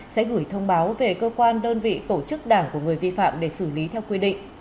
sẽ gửi thông báo về cơ quan đơn vị tổ chức đảng của người vi phạm để xử lý theo quy định